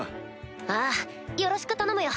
ああよろしく頼むよ。